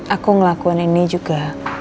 aku ngelakuin ini juga